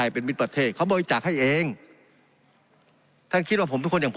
เป็นมิตรประเทศเขาบริจาคให้เองท่านคิดว่าผมเป็นคนอย่างผม